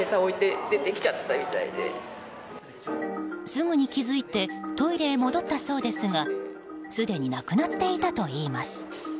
すぐに気付いてトイレへ戻ったそうですがすでになくなっていたといいます。